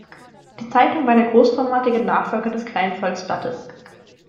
Die Zeitung war der großformatige Nachfolger des "Kleinen Volksblattes".